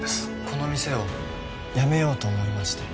この店を辞めようと思いまして。